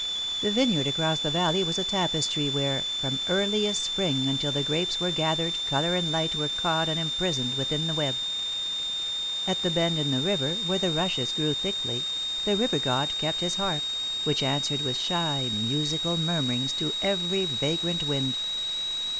The vineyard across the valley was a tapestry, where, from earliest Spring until the grapes were gathered colour and light were caught and imprisoned within the web. At the bend in the river, where the rushes grew thickly, the river god kept his harp, which answered with shy, musical murmurings to every vagrant wind.